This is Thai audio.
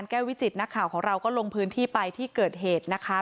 และบทบันไดของเราก็ลองที่ไปที่เกิดเหตุนะคะ